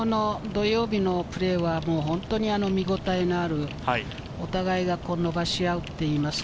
昨日のプレーは本当に見ごたえのある、お互いが伸ばし合っています。